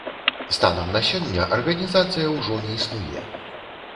Станам на сёння арганізацыя ўжо не існуе.